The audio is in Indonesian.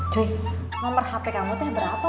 cuy nomer hp kamu teh berapa